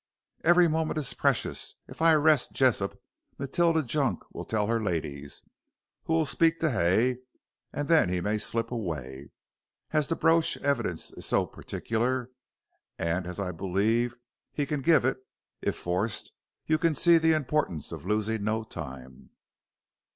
"Every moment is precious. If I arrest Jessop, Matilda Junk will tell her ladies, who will speak to Hay, and then he may slip away. As the brooch evidence is so particular, and, as I believe he can give it, if forced, you can see the importance of losing no time."